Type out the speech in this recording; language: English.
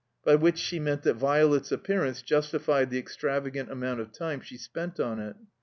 By which she meant that Violet's appearance justified the extravagant amovint of time she spent on it.